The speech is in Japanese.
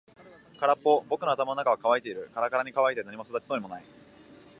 空っぽ。僕の頭の中は乾いている。からからに乾いて何も育ちそうもない。